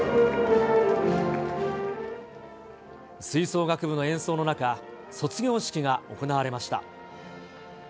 吹奏楽部の演奏の中、卒業式が行われました。